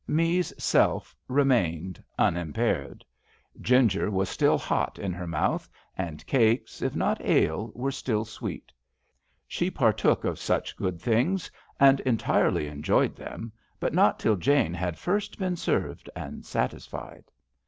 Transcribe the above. Me*s self remained unimpaired. Ginger was still hot in her mouth, and cakes, if not ale, were still sweet. She partook of such good things, and entirely enjoyed them, but not till Jane had first been served and satisfied.